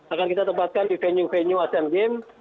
akan kita tempatkan di venue venue asian games